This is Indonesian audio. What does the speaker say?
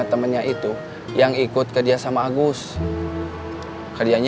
tidak pagi ke bukaan